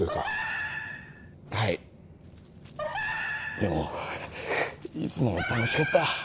でもいつも楽しかった。